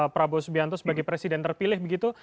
prabowo subianto sebagai presiden terpilih begitu